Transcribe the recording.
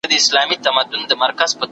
د کتابتون د کار مرسته د مور له خوا کيږي!.